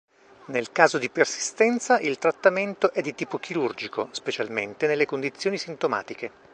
Nel caso di persistenza il trattamento è di tipo chirurgico, specialmente nelle condizioni sintomatiche.